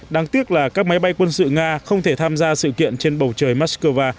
đáng tiếc là các máy bay quân sự nga không thể tham gia sự kiện trên bầu trời moscow